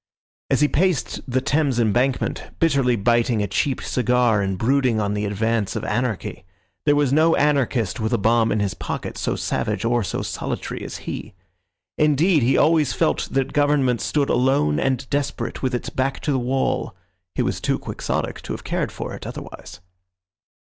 As he paced the Thames embankment, bitterly biting a cheap cigar and brooding on the advance of Anarchy, there was no anarchist with a bomb in his pocket so savage or so solitary as he. Indeed, he always felt that Government stood alone and desperate, with its back to the wall. He was too quixotic to have cared for it otherwise.